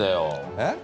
えっ？